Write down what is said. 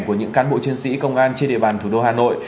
của những cán bộ chiến sĩ công an trên địa bàn thủ đô hà nội